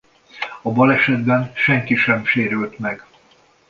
A balesetben senki sem sérült meg.